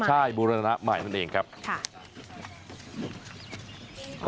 ใช่บูรณะใหม่นั่นเองครับ